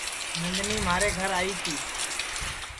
نندنی مھارے گھر آئی تی